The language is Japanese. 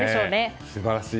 素晴らしい。